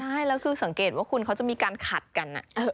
ใช่แล้วคือสังเกตว่าคุณเขาจะมีการขัดกัน